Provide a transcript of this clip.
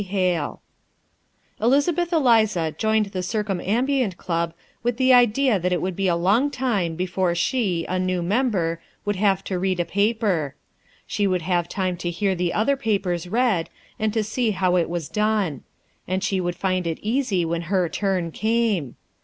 HALE Elizabeth Eliza joined the Circumambient Club with the idea that it would be a long time before she, a new member, would have to read a paper. She would have time to hear the other papers read, and to see how it was done; and she would find it easy when her turn came.